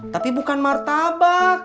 tapi bukan martabak